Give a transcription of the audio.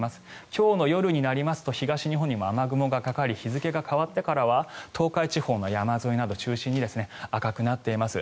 今日の夜になりますと東日本にも雨雲がかかり日付が変わってからは東海地方の山沿いなどを中心に赤くなっています。